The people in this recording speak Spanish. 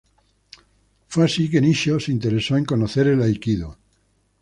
Fue así que Nishio se interesó en conocer el aikido.